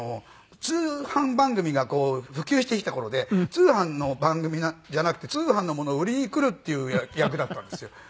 通販番組がこう普及してきた頃で通販の番組じゃなくて通販のものを売りにくるっていう役だったんですよ。